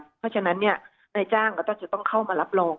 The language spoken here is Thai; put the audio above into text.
เพราะฉะนั้นนายจ้างก็ต้องจะต้องเข้ามารับรอง